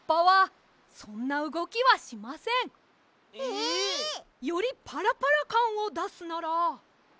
ええ！？よりパラパラかんをだすなら。